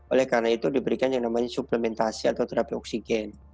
oleh karena itu diberikan yang namanya suplementasi atau terapi oksigen